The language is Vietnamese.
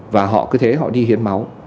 và họ cứ thế họ đi hiến máu